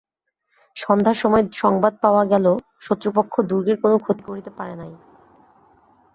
সন্ধ্যার সময় সংবাদ পাওয়া গেল শত্রুপক্ষ দুর্গের কোনো ক্ষতি করিতে পারে নাই।